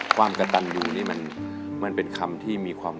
ความกระตันอยู่นี่มันเป็นคำที่มีความ